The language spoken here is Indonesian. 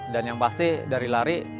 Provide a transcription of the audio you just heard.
dan yang pasti dari lari